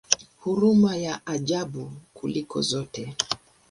Huruma ya ajabu kuliko zote!